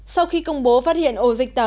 sau khi công bố phát hiện ổ dịch tà lợn